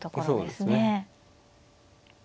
そうですね。